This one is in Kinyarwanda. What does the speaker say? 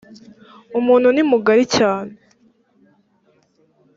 umuntu ni mugari cyane.